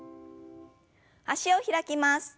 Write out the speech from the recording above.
脚を開きます。